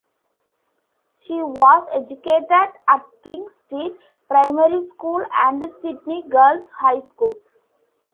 She was educated at King Street Primary School and Sydney Girls High School.